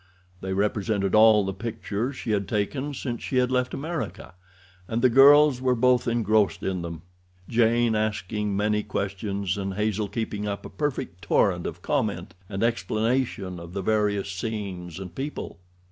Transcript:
They represented all the pictures she had taken since she had left America, and the girls were both engrossed in them, Jane asking many questions, and Hazel keeping up a perfect torrent of comment and explanation of the various scenes and people.